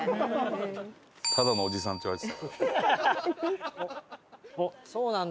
「ただのおじさん」って言われてたから。